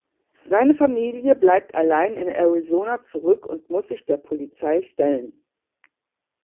Seine Familie bleibt allein in Arizona zurück und muss sich der Polizei stellen.